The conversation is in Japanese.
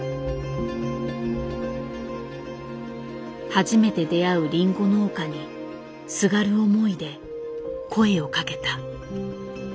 初めて出会うリンゴ農家にすがる思いで声をかけた。